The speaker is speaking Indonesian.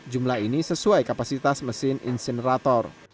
jumlah ini sesuai kapasitas mesin insinerator